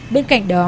bên cạnh đó